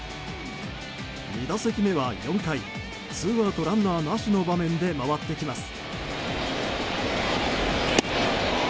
２打席目は４回ツーアウトランナーなしの場面で回ってきます。